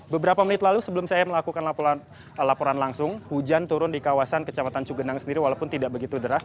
beberapa menit lalu sebelum saya melakukan laporan langsung hujan turun di kawasan kecamatan cugenang sendiri walaupun tidak begitu deras